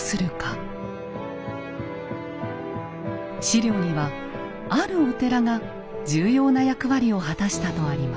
史料にはあるお寺が重要な役割を果たしたとあります。